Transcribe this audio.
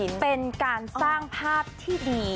ก็ถือว่าเป็นการสร้างภาพที่ดี